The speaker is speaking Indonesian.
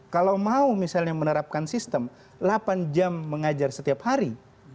kalau mau misalnya menerapkan sistem delapan jam mengajar setiap hari